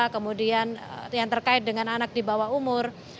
kemudian yang terkait dengan anak di bawah umur